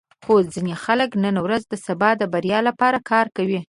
خو ځینې خلک نن ورځ د سبا د بریا لپاره کار کوي.